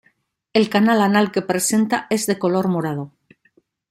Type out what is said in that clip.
El canal anal que presenta es de color morado.